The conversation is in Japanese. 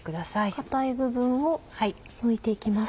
硬い部分をむいて行きます。